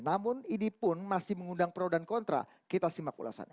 namun ini pun masih mengundang pro dan kontra kita simak ulasannya